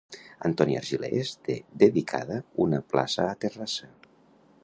Antoni Argilés té dedicada una plaça a Terrassa.